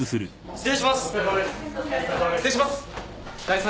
失礼します。